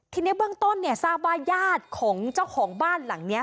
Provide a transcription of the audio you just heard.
ทีนี้เบื้องต้นเนี่ยทราบว่าญาติของเจ้าของบ้านหลังนี้